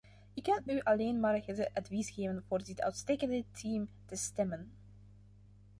Ik kan u alleen maar het advies geven voor dit uitstekende team te stemmen!